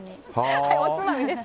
おつまみです。